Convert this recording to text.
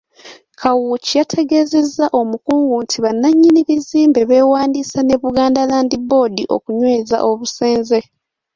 Kawuki yategeezezza Omukungu nti bannannyini bizimbe beewandiisa ne Buganda Land Board okunyweza obusenze.